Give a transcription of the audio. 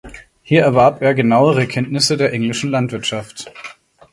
Hier erwarb er genauere Kenntnisse der englischen Landwirtschaft.